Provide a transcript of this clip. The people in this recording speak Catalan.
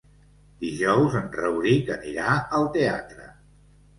Dijous en Rauric anirà al teatre.